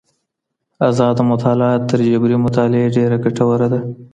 ازاده مطالعه تر جبري مطالعې ډېره ګټوره ده.